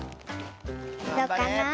どうかな？